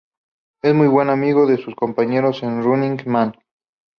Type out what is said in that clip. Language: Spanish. Es muy buen amigo de sus compañeros de Running Man.